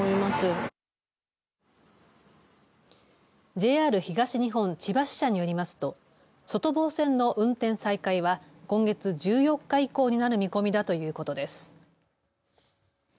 ＪＲ東日本千葉支社によりますと外房線の運転再開は今月１４日以降になる見込みだということです。